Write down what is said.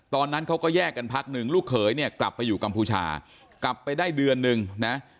ตอนนั้นเขาก็แยกกันพักหนึ่งลูกเขยเนี่ยกลับไปอยู่กัมพูชากลับไปได้เดือนนึงนะ